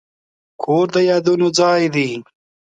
کور د یادونو ځای دی.